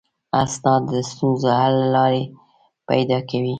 استاد د ستونزو حل لارې پیدا کوي.